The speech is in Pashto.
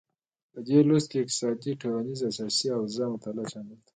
په دې لوست کې د اقتصادي، ټولنیزې او سیاسي اوضاع مطالعه شامله ده.